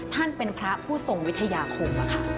ท่านเป็นพระผู้ทรงวิทยาคุมหรือคะ